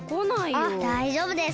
あっだいじょうぶです。